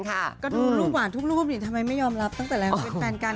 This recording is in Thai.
ก็ดูรูปหวานทุกรูปดิทำไมไม่ยอมรับตั้งแต่แล้วเป็นแฟนกัน